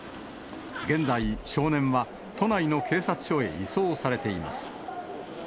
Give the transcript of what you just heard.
現在、少年は都内の警察署へ移送されています。